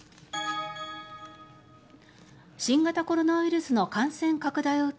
新型コロナウイルスの感染拡大を受け